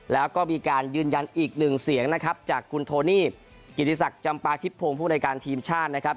แล้วก็มีการยืนยันอีกหนึ่งเสียงนะครับจากคุณโทนี่กิติศักดิ์จำปาทิพพงศ์ผู้ในการทีมชาตินะครับ